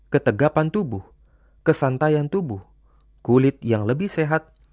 ketegapan tubuh kesantaian tubuh kulit yang lebih sehat